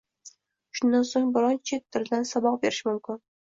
Shundan so‘ng biron chet tilidan saboq berish mumkin.